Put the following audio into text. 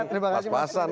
terima kasih mbak eva